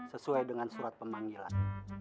sesuai dengan surat pemanggilan